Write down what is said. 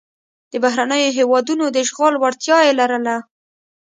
د بهرنیو هېوادونو د اشغال وړتیا یې لرله.